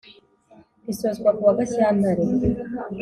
risozwa kuwa Gashyantare